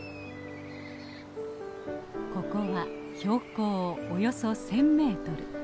ここは標高およそ１，０００メートル。